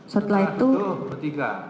setelah itu duduk